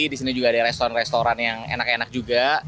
di sini juga ada restoran restoran yang enak enak juga